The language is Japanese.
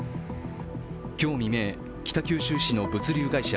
今日未明、北九州市の物流会社